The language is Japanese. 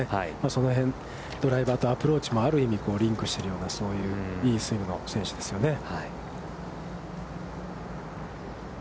その辺、ドライバーとアプローチも、ある意味リンクしているような、そういういいスイングの選手ですよね。